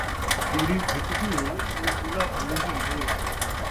جیڑھی ڈِھکدی ہے او ݙولا بھنین٘دی ہے